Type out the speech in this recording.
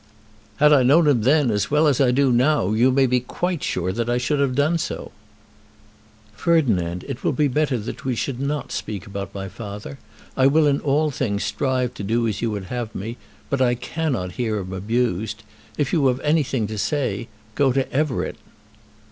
"Had I known him then as well as I do now you may be quite sure that I should have done so." "Ferdinand, it will be better that we should not speak about my father. I will in all things strive to do as you would have me, but I cannot hear him abused. If you have anything to say, go to Everett."